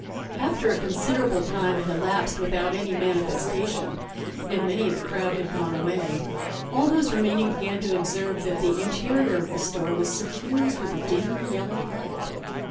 After a considerable time had elapsed without any manifestation, and many of the crowd had gone away, all those remaining began to observe that the interior of the store was suffused with a dim, yellow light.